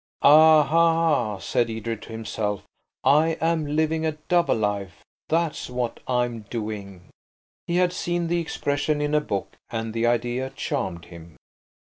"Aha!" said Edred to himself, "I am living a double life, that's what I'm doing." He had seen the expression in a book and the idea charmed him.